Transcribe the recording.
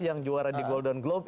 yang juara di golden globe